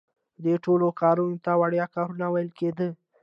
دې ټولو کارونو ته وړیا کارونه ویل کیده.